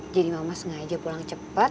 jadi mama sengaja pulang cepat